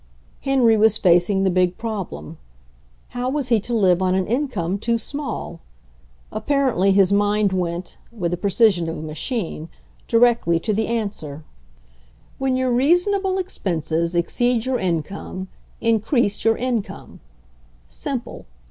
Henry was facing the big problem. How was he to live on an income too small? Apparently his mind went, with the precision of a machine, directly to the answer. THE FIRST JOB 19 "When your reasonable expenses exceed your income, increase your income/' Simple.